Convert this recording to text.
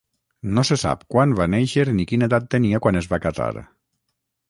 No se sap quan va néixer ni quina edat tenia quan es va casar.